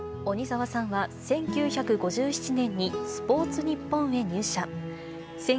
鬼澤さんは１９５７年にスポーツニッポンへ入社。